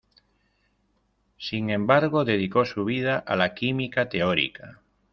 Sin embargo, dedicó su vida a la química teórica.